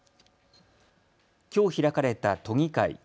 きょう開かれた都議会。